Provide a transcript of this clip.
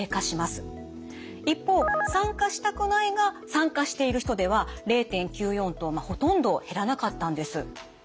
一方参加したくないが参加している人では０．９４とほとんど減らなかったんです。